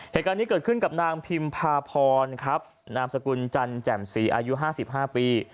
เหตุการณ์นี้เกิดขึ้นกับนางพิมพาพรครับนามสกุลจันแจ่มศรีอายุ๕๕ปี